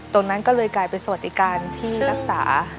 ตรงนั้นก็เลยกลายเป็นสวัสดิการที่รักษา